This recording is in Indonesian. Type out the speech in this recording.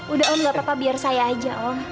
udah om gapapa biar saya aja om